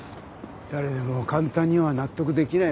誰でも簡単には納得できないもんだよねえ。